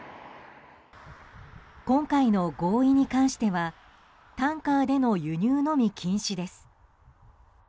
今回の合意に関してはタンカーでの輸入のみ禁止です。